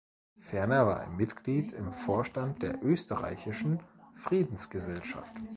Ferner war er Mitglied im Vorstand der Österreichischen Friedensgesellschaft.